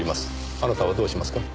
あなたはどうしますか？